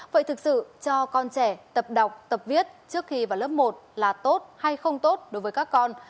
vậy thực sự cho con trẻ tập đọc tập viết trước khi vào lớp một là tốt hay không tốt đối với các con